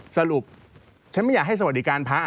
สรุปฉันไม่อยากให้สวัสดิการพระ